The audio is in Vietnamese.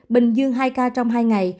bình dương hai ca trong hai ngày